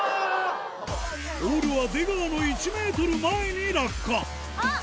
ボールは出川の１ｍ前に落下あっ！